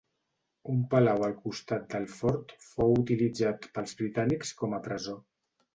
Un palau al costat del fort fou utilitzat pels britànics com a presó.